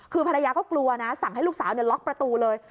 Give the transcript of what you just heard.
คือภรรยาก็กลัวนะสั่งให้ลูกสาวล็อกประตูเลย